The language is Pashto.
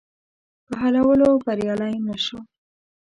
په حلولو بریالی نه شو.